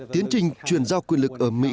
tiến trình truyền giao quyền lực ở mỹ